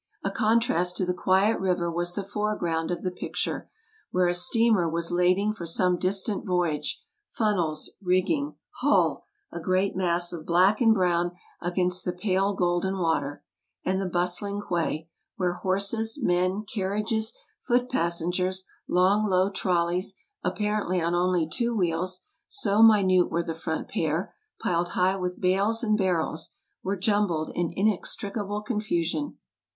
A contrast to the quiet river was the foreground of the picture, where a steamer was lading for some distant voyage, funnels, rigging, hull, a great mass of black and brown against the pale golden water, and the bustling auay, where horses, men, carriages, foot passen gers, long low trolleys — apparently on only two wheels, so minute were the front pair — piled high with bales and bar rels, were jumbled in inextricable confusion.